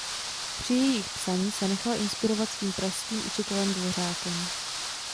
Při jejich psaní se nechal inspirovat svým pražských učitelem Dvořákem.